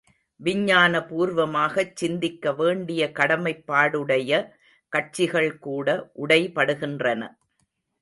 விஞ்ஞான பூர்வமாகச் சிந்திக்க வேண்டிய கடமைப்பாடுடைய கட்சிகள் கூட உடைபடுகின்றன.